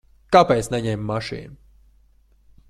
Kāpēc neņēma mašīnu?